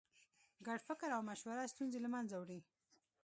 ګډ فکر او مشوره ستونزې له منځه وړي.